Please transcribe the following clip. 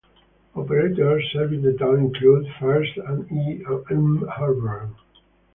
Operators serving the town include, First and E and M Horsburgh.